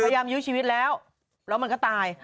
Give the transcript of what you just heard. ยื้อชีวิตแล้วแล้วมันก็ตาย